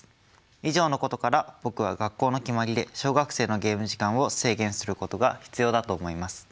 以上のことから僕は学校の決まりで小学生のゲーム時間を制限することが必要だと思います。